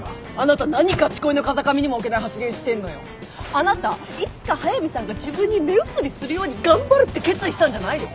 あなたいつか速見さんが自分に目移りするように頑張るって決意したんじゃないの？